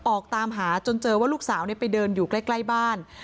ออกตามหาจนเจอว่าลูกสาวไปเดินอยู่ใกล้บ้าน